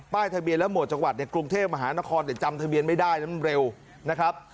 ทะเบียนและหมวดจังหวัดในกรุงเทพมหานครแต่จำทะเบียนไม่ได้นะมันเร็วนะครับ